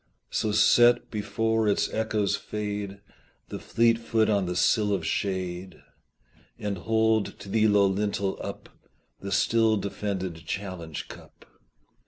So set, before its echoes fade, The fleet foot on the sill of shade, And hold to the low lintel up The still defended challenge cup.